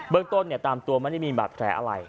เบื้องต้นเนี่ยตามตัวมันไม่มีบัตรแหละอะไร